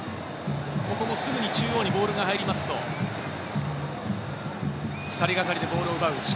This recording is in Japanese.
ここもすぐに中央にボールが入りますと、２人がかりでボールを奪う。